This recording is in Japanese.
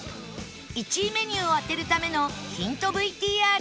１位メニューを当てるためのヒント ＶＴＲ